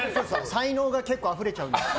才能が結構あふれちゃうんです。